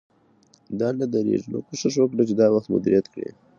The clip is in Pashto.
دا نه درېږي، نو کوشش وکړئ چې دا وخت مدیریت کړئ